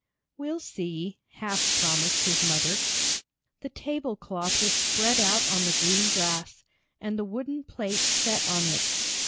"We'll see," half promised his mother. The table cloth was spread out on the green grass, and the wooden plates set on it.